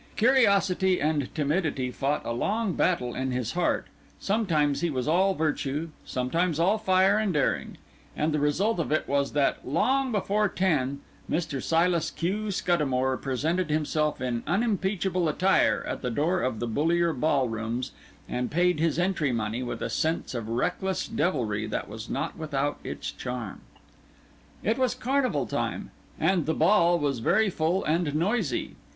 Curiosity and timidity fought a long battle in his heart; sometimes he was all virtue, sometimes all fire and daring; and the result of it was that, long before ten, Mr. Silas Q. Scuddamore presented himself in unimpeachable attire at the door of the Bullier Ball Rooms, and paid his entry money with a sense of reckless devilry that was not without its charm. It was Carnival time, and the Ball was very full and noisy.